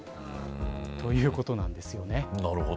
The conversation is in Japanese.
ということなんですよね。